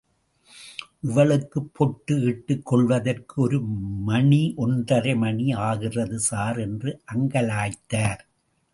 இவளுக்கு பொட்டு இட்டுக் கொள்வதற்கு ஒரு மணி ஒன்றரை மணி ஆகிறது சார் என்று அங்கலாய்த்தார்.